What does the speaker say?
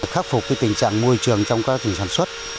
khắc phục tình trạng môi trường trong các tỉnh sản xuất